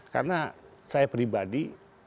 karena saya pribadi